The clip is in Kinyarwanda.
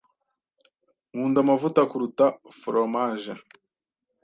Nkunda amavuta kuruta foromaje.